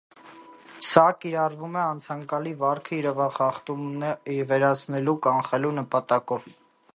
Սա կիրառվում է անցանկալի վարքը, իրավախախտումը վերացնելու, կանխելու նպատակով։